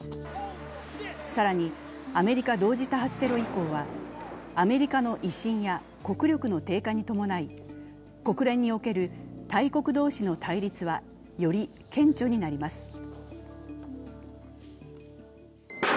更にアメリカ同時多発テロ以降はアメリカの威信や国力の低下に伴い国連における大国同士の対立は、より顕著になります。